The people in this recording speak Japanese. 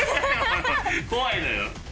怖いのよ。